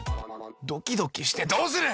ドキドキしてどうする